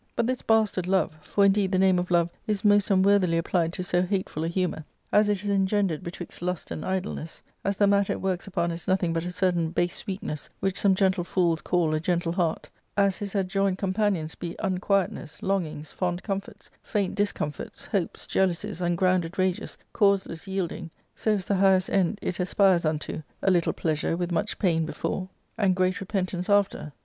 But this bastard love — for, indeed, the name of love is most uiiv worthily applied to so hateful a humour — as it is engendered . betwixt liis^: and idleness ; as the matter it works upon is nothing but a certain base weakness which some gentle fools call a gentle heart; as his adjoined companions be unquietness, / longings, fond comforts, faint discomforts, hopes, jealousies;^ ungrounded rages, causeless yielding; so is the highest end it aspires unto — a ljtde pleasure, with much pain before, and "■■""' F •ph( y he 66 ARCADIA.— Book /. great repentance after.